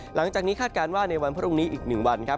หลังจากนี้คาดการณ์ว่าในวันพรุ่งนี้อีก๑วันครับ